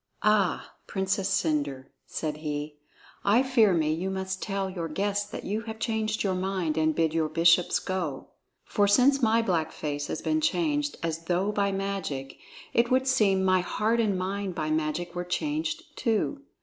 "Ah, Princess Cendre," said he, "I fear me you must tell your guests that you have changed your mind and bid your bishops go. For since my black face has been changed as though by magic, it would seem my heart and mind by magic were changed too.